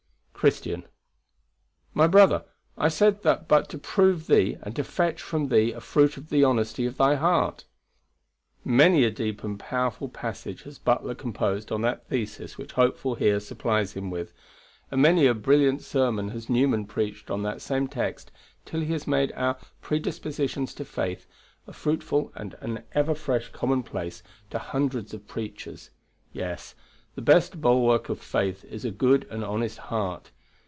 Christian: "My brother, I said that but to prove thee, and to fetch from thee a fruit of the honesty of thy heart." Many a deep and powerful passage has Butler composed on that thesis which Hopeful here supplies him with; and many a brilliant sermon has Newman preached on that same text till he has made our "predispositions to faith" a fruitful and an ever fresh commonplace to hundreds of preachers. Yes; the best bulwark of faith is a good and honest heart.